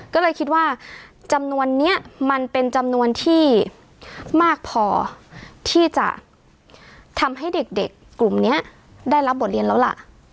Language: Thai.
ก็เลยคิดว่าจำนวนนี้มันเป็นจำนวนที่มากพอที่จะทำให้เด็กกลุ่มนี้ได้รับบทเรียนแล้วล่ะ